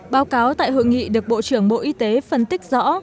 báo cáo tại hội nghị được bộ trưởng bộ y tế phân tích rõ